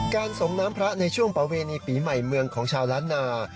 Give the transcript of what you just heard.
ส่งน้ำพระในช่วงประเวณีปีใหม่เมืองของชาวล้านนา